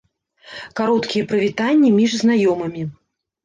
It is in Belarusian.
Кароткія прывітанні між знаёмымі.